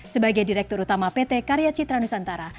sebagai direktur utama pt karya citra nusantara